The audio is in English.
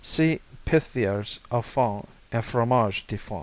See Pithiviers au Foin and Fromage de Foin.